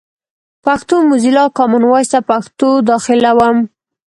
پښتو موزیلا، کامن وایس ته پښتو داخلوم.